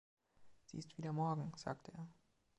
„Sie ist wie der Morgen“, sagte er.